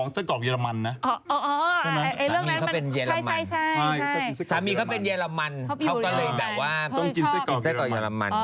สามีเขาเป็นเยอรมันเขาก็เลยแบบว่าต้องกินไส้กรอบเยอรมัน